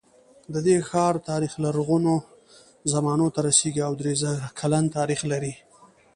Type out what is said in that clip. د دې ښار تاریخ لرغونو زمانو ته رسېږي او درې زره کلن تاریخ لري.